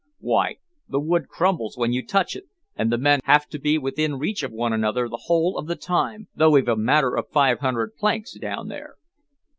Why, the wood crumbles when you touch it, and the men have to be within reach of one another the whole of the time, though we've a matter of five hundred planks down there."